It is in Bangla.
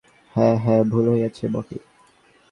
হাঁ হাঁ, ভুল হইয়াছে বটে।